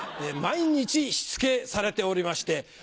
毎日しつけされておりまして。